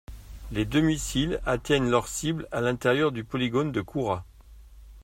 Les deux missiles atteignent leur cible à l'intérieur du polygone de Koura.